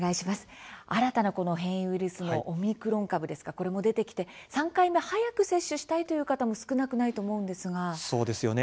新たな変異ウイルスのオミクロン株これも出てきて３回目を早く接種したいという方も少なくそうですね